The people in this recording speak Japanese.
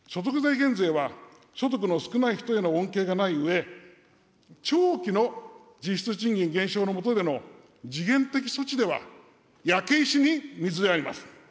所得税減税は、所得の少ない人への恩恵がないうえ、長期の実質賃金減少の下での時限的措置では焼石に水であります。